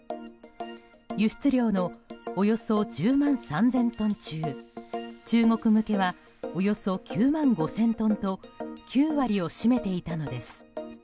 輸出量のおよそ１０万３０００トン中中国向けはおよそ９万５０００トンと９割を占めていたのです。